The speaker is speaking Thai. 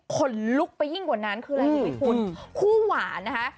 คนลุกไปยิ่งกว่านั้นคืออะไรรู้ไหมคุณคู่หวานนะคะ